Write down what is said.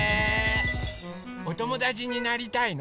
おともだちになりたいの？